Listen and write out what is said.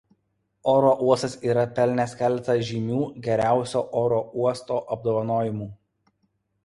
Oro uostas yra pelnęs keletą žymių geriausio oro uosto apdovanojimų.